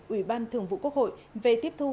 ủy ban thường vụ quốc hội về tiếp thu